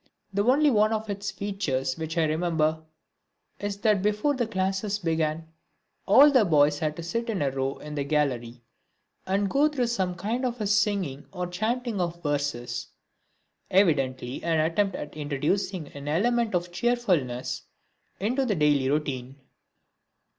The only one of its features which I remember is that before the classes began all the boys had to sit in a row in the gallery and go through some kind of singing or chanting of verses evidently an attempt at introducing an element of cheerfulness into the daily routine.